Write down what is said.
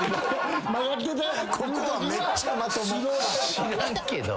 知らんけど。